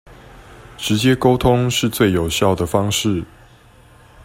直接溝通是最有效的方式